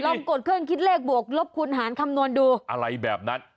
กดเครื่องคิดเลขบวกลบคูณหารคำนวณดูอะไรแบบนั้น